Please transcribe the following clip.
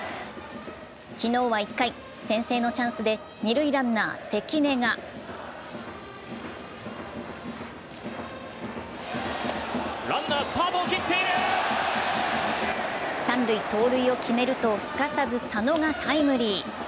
昨日は１回、先制のチャンスで二塁ランナー・関根が三塁盗塁を決めるとすかさず佐野がタイムリー。